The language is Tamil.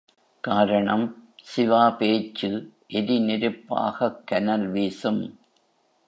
காரணம், சிவா பேச்சு எரி நெருப்பாகக் கனல் வீசும்.